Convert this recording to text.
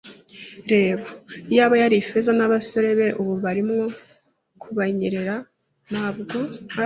reba. Iyaba yari Ifeza nabasore be ubu barimo kubanyerera, ntabwo a